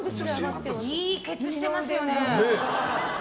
いいケツしてますよね。